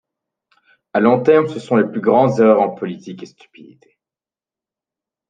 À long terme, ce sont les plus grandes erreurs en politique et stupidité.